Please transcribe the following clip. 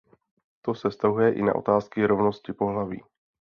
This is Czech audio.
To se vztahuje i na otázky rovnosti pohlaví.